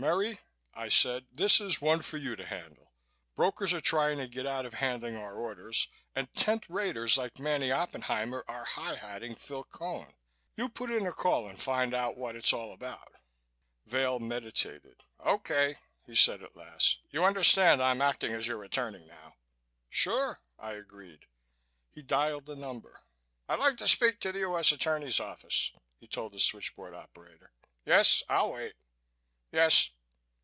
"Merry," I said, "this is one for you to handle. Brokers are trying to get out of handling our orders and tenth raters like Manny Oppenheimer are high hatting Phil Cone. You put in a call and find out what it's all about." Vail meditated. "Okay," he said at last. "You understand I'm acting as your attorney now?" "Sure," I agreed. He dialed a number. "I'd like to speak to the U.S. Attorney's office," he told the switch board operator. "Yes, I'll wait.... Yes....